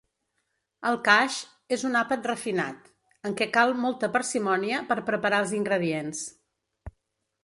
El Khash és un àpat refinat, en què cal molta parsimònia per preparar els ingredients.